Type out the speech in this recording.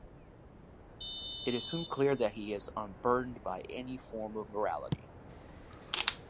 It is soon clear that he is unburdened by any form of morality.